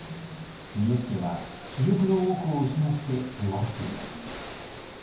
三好家は主力の多くを失って弱っています。